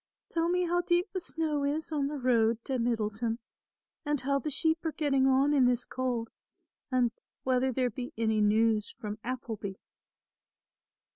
Tell me how deep the snow is on the road to Middleton and how the sheep are getting on in this cold and whether there be any news from Appleby."